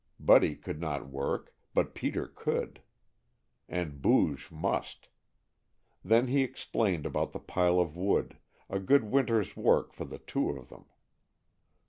Buddy could not work, but Peter could, and Booge must. Then he explained about the pile of wood, a good winter's work for the two of them.